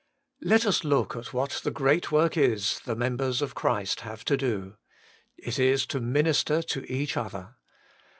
Let us look at what the great work is the members of Christ have to do. It is to min ister to each other.